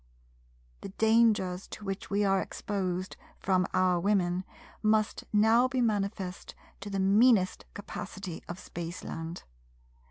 The dangers to which we are exposed from our Women must now be manifest to the meanest capacity of Spaceland.